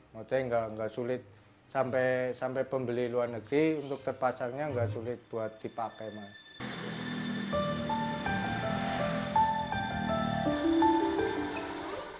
maksudnya nggak sulit sampai pembeli luar negeri untuk terpasangnya nggak sulit buat dipakai mas